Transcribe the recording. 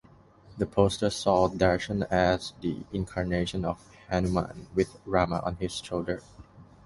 The poster saw Darshan as the incarnation of Hanuman with Rama on his shoulder.